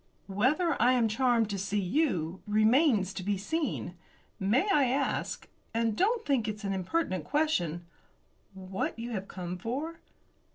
"Whether I am charmed to see you remains to be seen. May I ask and don't think it's an impertinent question what you have come for?"